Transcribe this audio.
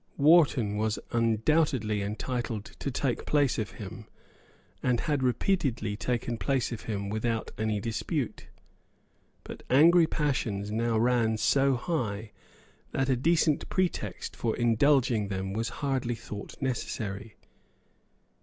Wharton was undoubtedly entitled to take place of him, and had repeatedly taken place of him without any dispute. But angry passions now ran so high that a decent pretext for indulging them was hardly thought necessary.